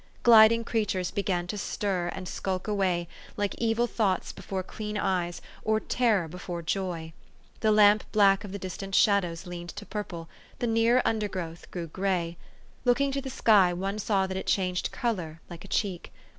Gliding creatures began to stir, and skulk away, like evil thoughts before clean eyes, or terror before joy. The lamp black of the distant shadows leaned to purple ; the nearer undergrowth grew gray. Looking to the sky, one saw that it changed color like a cheek.